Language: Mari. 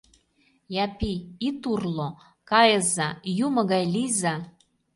Япи, ит урло — кайыза, юмо гай лийза!..